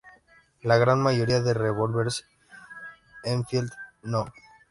La gran mayoría de revólveres Enfield No.